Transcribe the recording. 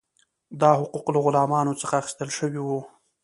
دا حقوق له غلامانو څخه اخیستل شوي وو.